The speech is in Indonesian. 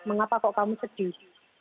mengapa kok kamu sedih